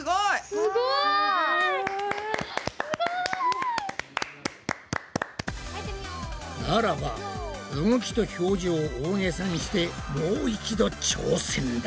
すごい！ならば動きと表情を大げさにしてもう一度挑戦だ！